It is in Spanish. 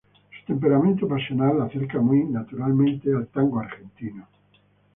Su temperamento pasional la acerca muy naturalmente al tango argentino.